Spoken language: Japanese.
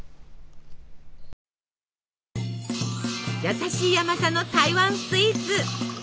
優しい甘さの台湾スイーツ。